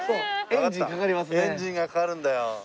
エンジンがかかるんだよ。